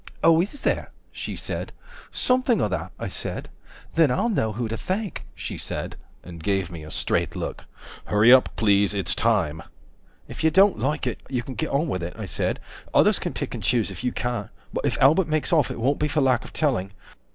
Oh is there, she said. Something o' that, I said. 150 Then I'll know who to thank, she said, and give me a straight look. HURRY UP PLEASE ITS TIME If you don't like it you can get on with it, I said, Others can pick and choose if you can't. But if Albert makes off, it won't be for lack of telling.